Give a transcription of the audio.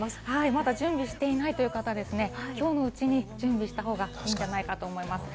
まだ準備してないっていう方、今日のうちに準備したほうがいいかと思います。